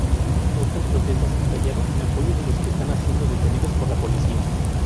Otras protestas estallaron en apoyo de los que están siendo detenidos por la policía.